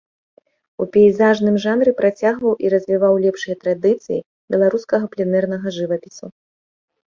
У пейзажным жанры працягваў і развіваў лепшыя традыцыі беларускага пленэрнага жывапісу.